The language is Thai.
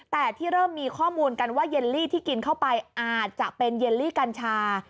แต่ที่เริ่มมีข้อมูลกันว่าเยลลี่ที่กินเข้าไปอาจจะเป็นเยลลี่กัญชา